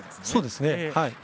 そうですね。